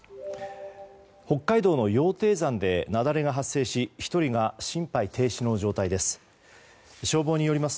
北海道の羊蹄山で雪崩が発生し１人が心肺停止の状態です。